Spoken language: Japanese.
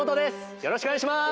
よろしくお願いします！